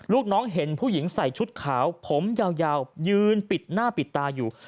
ลูกน้องเห็นผู้หญิงใส่ชุดขาวผมยาวยืนปิดหน้าปิดตาอยู่